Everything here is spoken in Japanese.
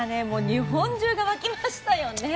日本中が沸きましたよね。